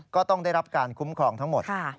ก็ต้องได้รับการคุ้มครองทั้งหมด